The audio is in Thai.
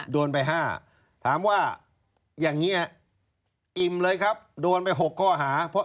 โดนไป๕ถามว่าอย่างนี้อิ่มเลยครับโดนไป๖ข้อหาเพราะ